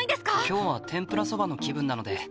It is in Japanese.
今日は天ぷらそばの気分なので。